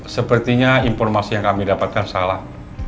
sepertinya informasi yang kami dapatkan salah